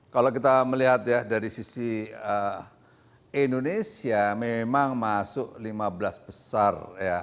kalau kita melihat ya dari sisi indonesia memang masuk lima belas besar